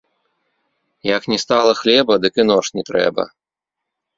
Як не стала хлеба, дык і нож не трэба